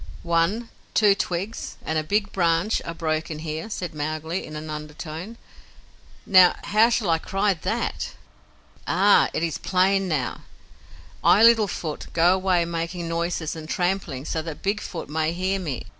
"One, two twigs and a big branch are broken here," said Mowgli, in an undertone. "Now, how shall I cry THAT? Ah! It is plain now. I, Little Foot, go away making noises and tramplings so that Big Foot may hear me."